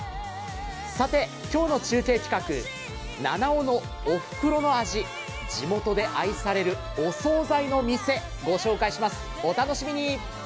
さて今日の中継企画、七尾のおふくろの味、地元で愛されるお総菜の店、ご紹介します、お楽しみに！